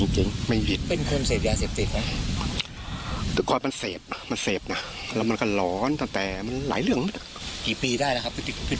โอ้โห๑๐ปีแล้วครับ